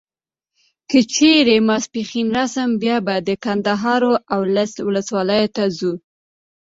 که چیري ماپښین راسم بیا به د کندهار و اولس ولسوالیو ته ځو.